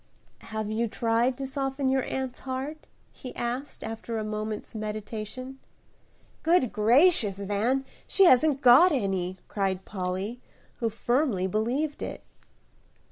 "Have you tried to soften your aunt's heart?" he asked, after a moment's meditation. "Good gracious, Van, she hasn't got any," cried Polly, who firmly believed it.